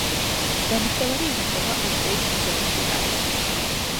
ნამუშევარი ინახება ორსეის მუზეუმში, პარიზში.